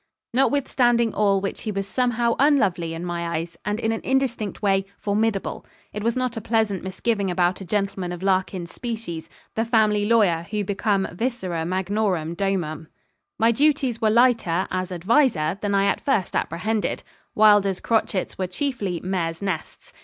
Notwithstanding all which he was somehow unlovely in my eyes, and in an indistinct way, formidable. It was not a pleasant misgiving about a gentleman of Larkin's species, the family lawyer, who become viscera magnorum domuum. My duties were lighter, as adviser, than I at first apprehended. Wylder's crotchets were chiefly 'mare's nests.'